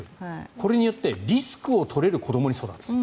これによってリスクを取れる子どもに育つ。